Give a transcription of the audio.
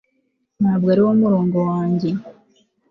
ntabwo ariwo murongo wanjye